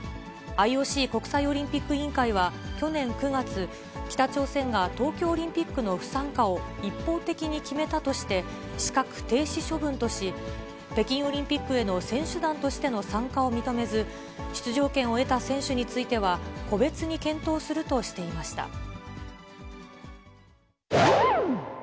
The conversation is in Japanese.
ＩＯＣ・国際オリンピック委員会は、去年９月、北朝鮮が東京オリンピックの不参加を一方的に決めたとして、資格停止処分とし、北京オリンピックへの選手団としての参加を認めず、出場権を得た選手については、個別に検討するとしていました。